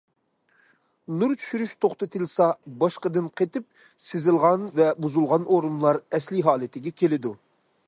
نۇر چۈشۈرۈش توختىتىلسا باشقىدىن قېتىپ سىزىلغان ۋە بۇزۇلغان ئورۇنلار ئەسلىي ھالىتىگە كېلىدۇ.